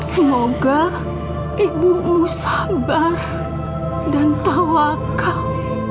semoga ibumu sabar dan tawakal